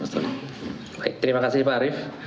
terima kasih pak arief